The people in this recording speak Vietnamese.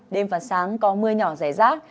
đêm và sáng có mưa nhỏ rẻ rác